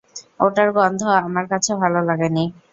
ওটার গন্ধ আমার কাছে ভালো লাগেনি।